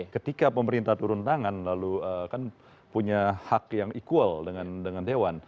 ketika pemerintah turun tangan lalu kan punya hak yang equal dengan dewan